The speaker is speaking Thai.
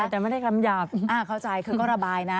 แต่ไม่ได้กำหยาบเข้าใจคือก็ระบายนะ